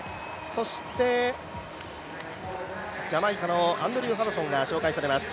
そしてジャマイカのアンドリュー・ハドソンが紹介されます。